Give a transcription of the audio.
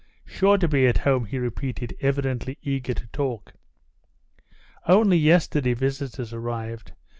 "Sure to be at home," he repeated, evidently eager to talk. "Only yesterday visitors arrived.